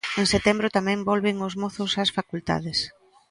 En setembro tamén volven os mozos ás facultades.